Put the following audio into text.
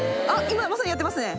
今まさにやってますね！